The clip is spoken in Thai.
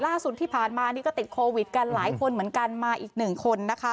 ล่าสุดที่ผ่านมานี่ก็ติดโควิดกันหลายคนเหมือนกันมาอีกหนึ่งคนนะคะ